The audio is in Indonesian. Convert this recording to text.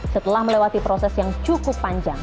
setelah melewati proses yang cukup panjang